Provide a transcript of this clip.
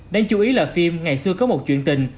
đáng chú ý là phim ngày xưa có một chuyện tình